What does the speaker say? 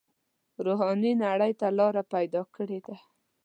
روحاني نړۍ ته لاره پیدا کړې ده.